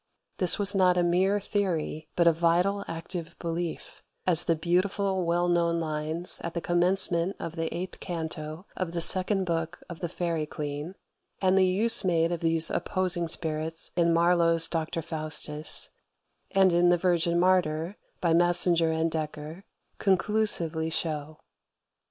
This was not a mere theory, but a vital active belief, as the beautiful well known lines at the commencement of the eighth canto of the second book of "The Faerie Queene," and the use made of these opposing spirits in Marlowe's "Dr. Faustus," and in "The Virgin Martyr," by Massinger and Dekker, conclusively show.